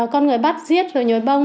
con người bắt giết rồi nhồi bông